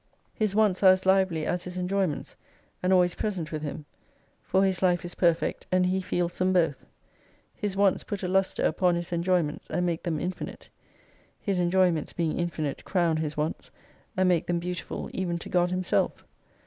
His wants are as lively as His enjoyments : and always present with Him. For His life is perfect, and He feels them both. His wants put a lustre upon His enjoyments and make them infinite. His enjoyments being infinite crown His wants, and make them beautiful even to God Him self.